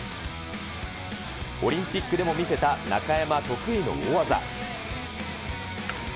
オリンピックでも見せた中山得意の大技。